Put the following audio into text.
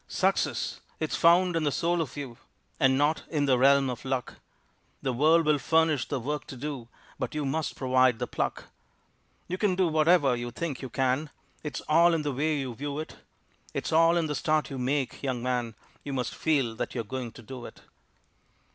Success! It's found in the soul of you, And not in the realm of luck! The world will furnish the work to do, But you must provide the pluck. You can do whatever you think you can, It's all in the way you view it. It's all in the start you make, young man: You must feel that you're going to do it.